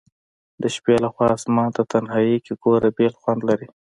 د شپي لخوا آسمان ته تنهائي کي ګوره بیل خوند لري